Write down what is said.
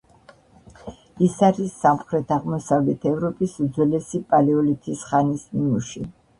ის არის სამხრეთ-აღმოსავლეთ ევროპის უძველესი პალეოლითის ხანის ნიმუში.